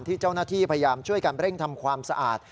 ที่เจ้าหน้าที่พยายามช่วยกันเร่งทำความสะอาด